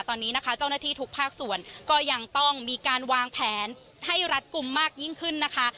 ตอนนี้นะคะเจ้าหน้าที่ทุกภาคส่วนก็ยังต้องมีการวางแผนให้รัดกลุ่มมากยิ่งขึ้นนะคะ